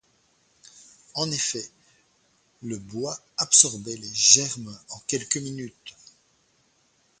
En effet, le bois absorbait les germes en quelques minutes.